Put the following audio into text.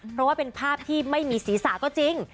เพราะว่าเป็นภาพที่ไม่มีศีรษะก็จริง